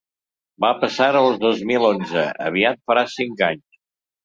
Va passar el dos mil onze: aviat farà cinc anys.